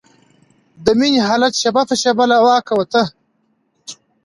د مينې حالت شېبه په شېبه له واکه وته.